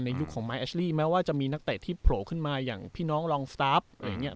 ในยุคของแม้ว่าจะมีนักเตะที่โผล่ขึ้นมาอย่างพี่น้องหรืออย่างเงี้ย